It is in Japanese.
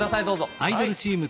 どうぞ。